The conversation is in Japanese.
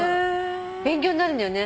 勉強になるんだよね。